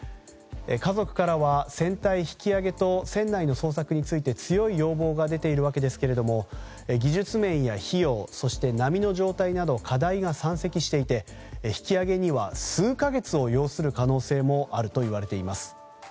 家族からは船体引き揚げと船内の捜索について強い要望が出ているわけですが技術面や費用、波の状態など課題が山積していて引き揚げには数か月を要する可能性もあるといわれています。